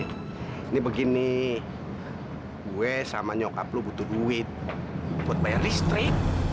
ini begini gue sama nyokap lo butuh duit buat bayar listrik